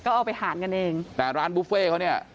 ก็เอาไปทานกันเองแต่ร้านบุฟเฟ่เขาเนี่ย